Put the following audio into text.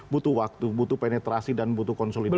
butuh waktu butuh penetrasi dan butuh konsolidasi